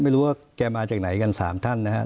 ไม่รู้ว่าแกมาจากไหนกัน๓ท่านนะครับ